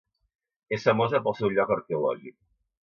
És famosa pel seu lloc arqueològic.